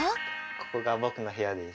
ここが僕の部屋です。